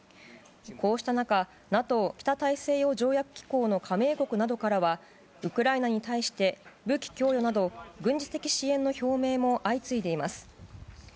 こうした中ＮＡＴＯ・北大西洋条約機構の加盟国などからはウクライナに対して武器供与など軍事支援の表明も相次いでいます。